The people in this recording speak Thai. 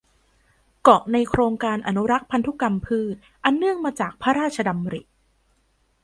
เกาะในโครงการอนุรักษ์พันธุกรรมพืชอันเนื่องมาจากพระราชดำริ